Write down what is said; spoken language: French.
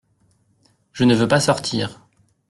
Je ne veux pas sortir.